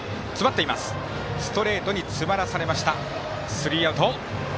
スリーアウト。